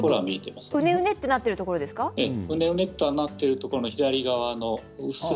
うねうねとなっているところですか？